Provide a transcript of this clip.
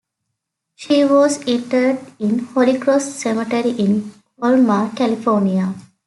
She was interred in Holy Cross Cemetery in Colma, California.